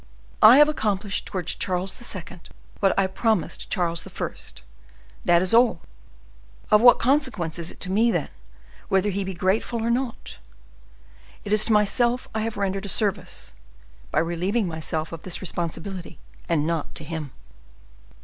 I have accomplished towards Charles II. what I promised Charles I.; that is all! Of what consequence is it to me, then, whether he be grateful or not? It is to myself I have rendered a service, by relieving myself of this responsibility, and not to him."